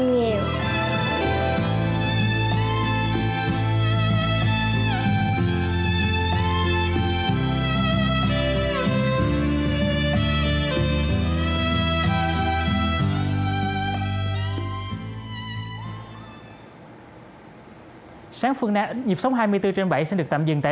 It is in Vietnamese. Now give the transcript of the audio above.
gieo em nhiều